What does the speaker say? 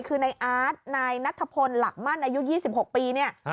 คือนายอาร์ตนายนัทพลหลักมั่นอายุ๒๖ปีเนี่ย